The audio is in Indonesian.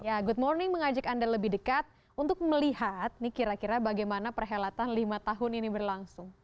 ya good morning mengajak anda lebih dekat untuk melihat ini kira kira bagaimana perhelatan lima tahun ini berlangsung